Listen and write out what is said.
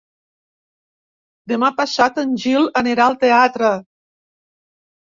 Demà passat en Gil anirà al teatre.